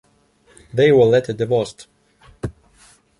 They were later divorced.